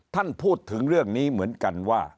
ท่านพูดถึงเรื่องนี้เหมือนกันว่า